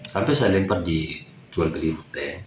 sampai saya lempar di jual beli rute